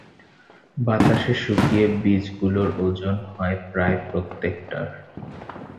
বাতাসে শুকিয়ে বীজগুলোর ওজন হয় প্রায় প্রত্যেকটার।